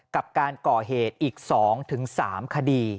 กับการก่อเหตุอีก๒๓คดี